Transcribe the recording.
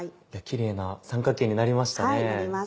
キレイな三角形になりましたね。